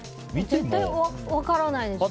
絶対分からないです。